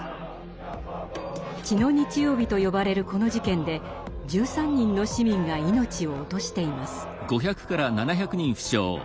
「血の日曜日」と呼ばれるこの事件で１３人の市民が命を落としています。